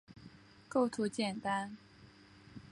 构图简单